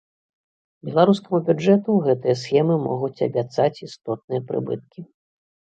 Беларускаму бюджэту гэтыя схемы могуць абяцаць істотныя прыбыткі.